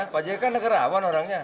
pak jk kan negarawan orangnya